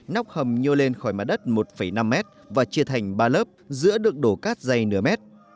nóc hầm nhô lên khỏi mặt đất một năm m và chia thành ba lớp giữa được đổ cát dày nửa mét